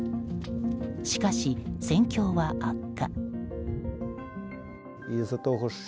しかし戦況は悪化。